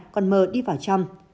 còn m đi vào trong